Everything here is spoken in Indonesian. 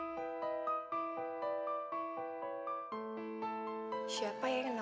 untuk ngedapetin apa yang gue mau